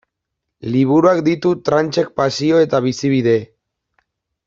Liburuak ditu Tranchek pasio eta bizibide.